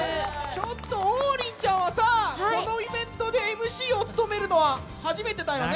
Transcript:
ちょっと王林ちゃんはさ、このイベントでＭＣを務めるのは初めてだよね？